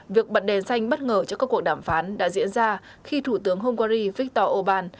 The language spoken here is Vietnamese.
việc bận đèn xanh bất ngờ cho các cuộc đàm phán đã diễn ra khi thủ tướng hungary viktor orbán